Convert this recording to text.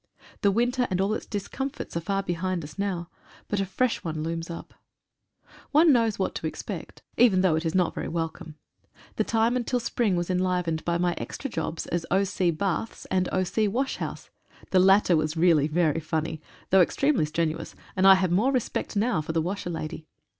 The winter and all its discomforts are far behind us now, but a fresh one looms up. One knows what to expect even though 111 ANNIVERSARY REVIEW. it is not very welcome. The time until spring was enlivened by my extra jobs as O.C. Baths and O.C. Washhouse. The latter was really very funny, though extremely strenuous, and I have more respect now for the washerlady.